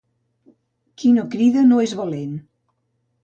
Qui no crida no és valent.